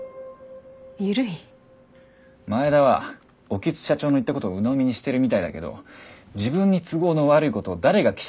前田は興津社長の言ったことをうのみにしてるみたいだけど自分に都合の悪いことを誰が記者にベラベラしゃべるよ？